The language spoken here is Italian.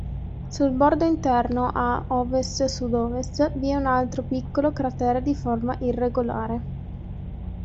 Sul bordo interno, a oves-sud-ovest, vi è un altro piccolo cratere di forma irregolare.